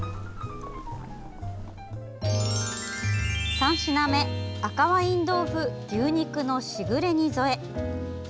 ３品目、赤ワイン豆腐牛肉のしぐれ煮添え。